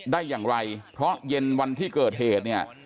ได้อย่างไรเพราะเย็นวันที่เกิดเหตุเนี่ย